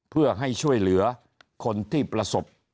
เพื่อให้ช่วยเหลือคนที่ประสบ